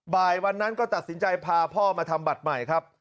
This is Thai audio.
บ่ายวันนั้นก็ตัดสินใจพาพ่อมาทำบัตรใหม่ครับ